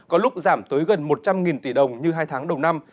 có lúc giảm tới gần một trăm linh tỷ đồng như hai tháng đầu năm